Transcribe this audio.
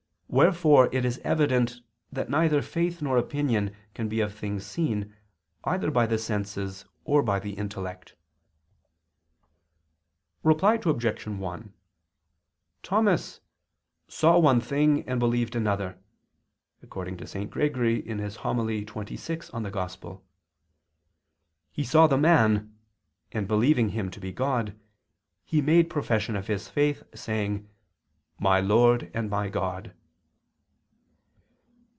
Wherefore it is evident that neither faith nor opinion can be of things seen either by the senses or by the intellect. Reply Obj. 1: Thomas "saw one thing, and believed another" [*St. Gregory: Hom. xxvi in Evang.]: he saw the Man, and believing Him to be God, he made profession of his faith, saying: "My Lord and my God."